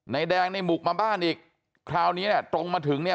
แดงในบุกมาบ้านอีกคราวนี้เนี่ยตรงมาถึงเนี่ย